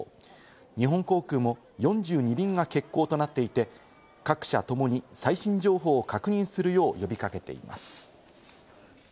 日本航空も４２便が欠航となっていて、各社ともに最新情報を確認するよう呼び掛けています。